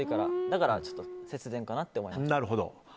だから節電かなって思いました。